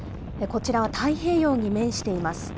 こちらは太平洋に面しています。